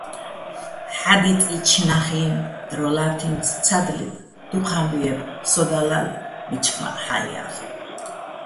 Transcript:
ჰ̦ა́დიწიჩო̆ ნა́ხიჼ დრო ლათთ ი́ნც: ცადლიბ, დუჴ ა́მბუჲ ჲებ, სოდა ლალ, მიჩხმაჸ ჰ̦აიჼ ალ'.